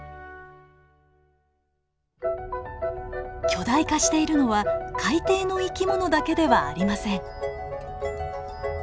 巨大化しているのは海底の生き物だけではありません。